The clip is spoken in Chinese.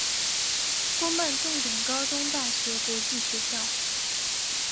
公办重点高中大学国际学校